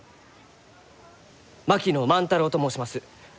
槙野万太郎と申します。